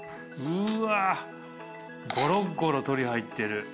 うわゴロゴロ鶏入ってる。